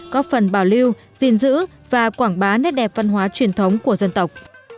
có phần bảo lưu gìn giữ và quảng bá nét đẹp văn hóa truyền thống của dân tộc